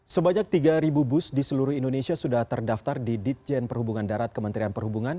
sebanyak tiga bus di seluruh indonesia sudah terdaftar di ditjen perhubungan darat kementerian perhubungan